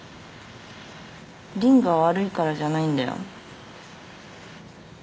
りんが悪いからじゃないんだよ。